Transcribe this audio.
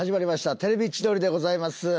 『テレビ千鳥』でございます。